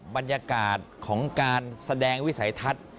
บรรยากาศของการแสดงวิสัยทัศน์